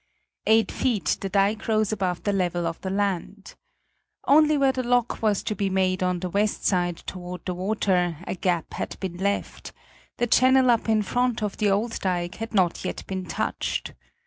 Eight feet the dike rose above the level of the land. Only where the lock was to be made on the west side toward the water, a gap had been left; the channel up in front of the old dike had not yet been touched.